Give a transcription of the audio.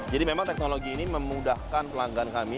jadi memang teknologi ini memudahkan pelanggan kami